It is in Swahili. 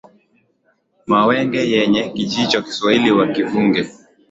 Mawenge yenye kijicho, kiswahili wakivunge,